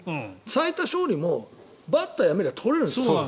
最多勝利もバッターをやめれば取れるんです。